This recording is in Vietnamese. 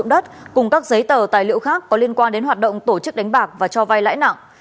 đất cùng các giấy tờ tài liệu khác có liên quan đến hoạt động tổ chức đánh bạc và cho vai lãi nặng